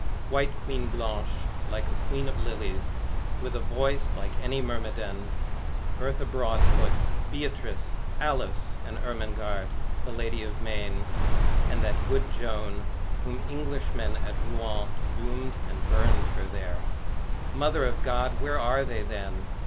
White Queen Blanche, like a queen of lilies, With a voice like any mermaidén Bertha Broadfoot, Beatrice, Alice, And Ermengarde, the lady of Maine And that good Joan whom Englishmen At Rouen doomed and burned her there Mother of God, where are they then?